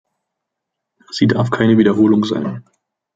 Sie darf keine Wiederholung sein.